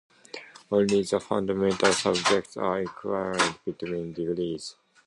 Only the foundational subjects are equivalent between degrees.